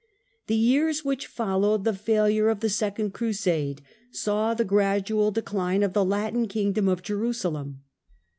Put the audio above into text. The years which followed the failure of the Second The Latin Crusade saw the gradual decline of the Latin kingdom of o/jeru "^ Jerusalem.